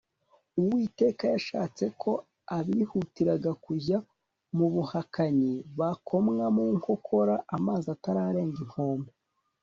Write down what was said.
Uwiteka yashatse ko abihutiraga kujya mu buhakanyi bakomwa mu nkokora amazi atararenga inkombe